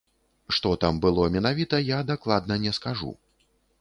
Што там было менавіта, я дакладна не скажу.